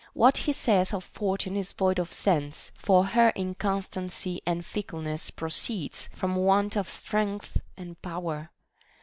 What he saith of Fortune is void of sense, for her incon stancy and fickleness proceeds from want of strength and power.